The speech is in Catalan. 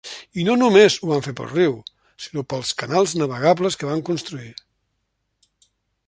I no només ho van fer pel riu, sinó pels canals navegables que van construir.